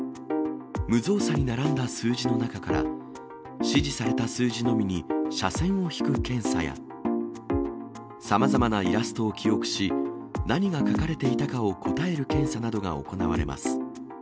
無造作に並んだ数字の中から、指示された数字のみに斜線を引く検査や、さまざまなイラストを記憶し、何が描かれていたかを答える検査などが行われます。